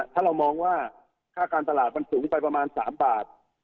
ถ้าเรามองว่าค่าการตลาดมันสูงไปประมาณ๓บาท